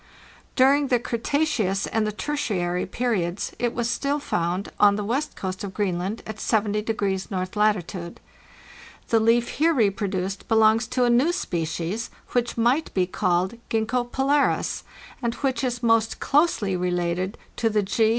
During the Cretaceous and the Tertiary periods it was still found on the west coast of Greenland at 70° north latitude. The leaf here reproduced belongs to a new species, which might be called Gzxgko polaris, and which is most closely rélated to the G.